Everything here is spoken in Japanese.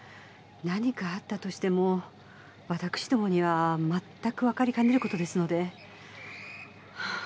何かあったとしてもわたくしどもにはまったくわかりかねる事ですので。